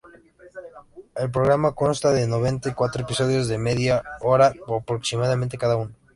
El programa consta de noventa y cuatro episodios de media hora aproximadamente cada uno.